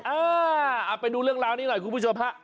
เออเอาไปดูเรื่องราวนี้หน่อยคุณผู้ชมฮะ